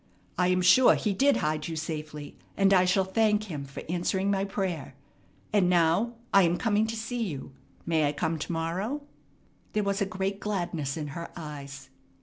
"I am sure He did hide you safely, and I shall thank Him for answering my prayer. And now I am coming to see you. May I come to morrow?" There was a great gladness in her eyes.